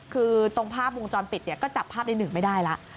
คือตรงภาพวงจรปิดเนี่ยก็จับภาพในหนึ่งไม่ได้แล้ว